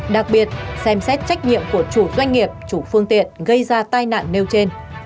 đặc biệt xem xét trách nhiệm của chủ doanh nghiệp chủ phương tiện gây ra tai nạn nêu trên